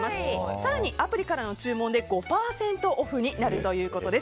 更にアプリからの注文で５％オフになるということです。